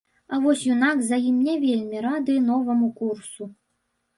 А вось юнак за ім не вельмі рады новаму курсу.